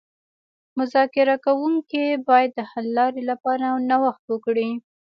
مذاکره کوونکي باید د حل لارې لپاره نوښت وکړي